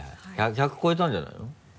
１００ｃｍ超えたんじゃないの？